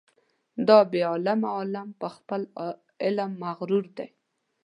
دا بې علمه عالم په خپل علم مغرور دی.